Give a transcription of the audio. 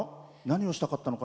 何をしたかったの？